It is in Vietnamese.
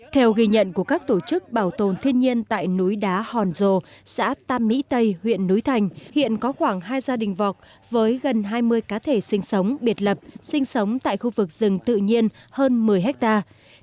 theo ghi nhận của các tổ chức bảo tồn thiên nhiên tại núi đá hòn rồ xã tam mỹ tây huyện núi thành hiện có khoảng hai gia đình vọc với gần hai mươi cá thể sinh sống biệt lập sinh sống tại khu vực rừng tự nhiên hơn một mươi hectare